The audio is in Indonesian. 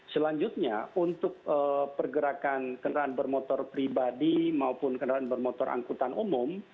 selanjutnya untuk pergerakan kendaraan bermotor pribadi maupun kendaraan bermotor angkutan umum